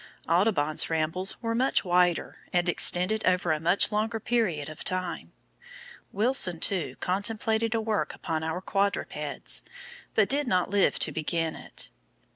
Audubon's rambles were much wider, and extended over a much longer period of time. Wilson, too, contemplated a work upon our quadrupeds, but did not live to begin it.